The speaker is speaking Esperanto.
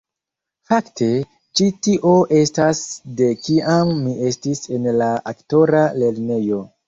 Fakte, ĉi tio estas de kiam mi estis en la aktora lernejo